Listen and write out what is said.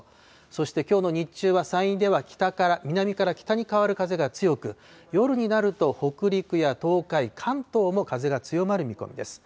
そしてきょうの日中は山陰では南から北に変わる風が強く、夜になると、北陸や東海、関東も風が強まる見込みです。